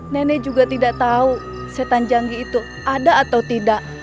nenek juga tidak tahu setan janggih itu ada atau tidak